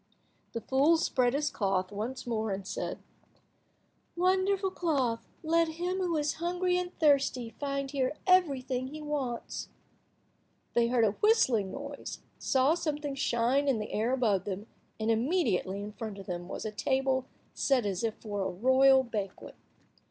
The fool spread his cloth once more, and said— "Wonderful cloth, let him who is hungry and thirsty find here everything he wants." They heard a whistling noise, saw something shine in the air above them, and, immediately, in front of them, was a table set as if for a royal banquet.